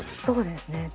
そうですね。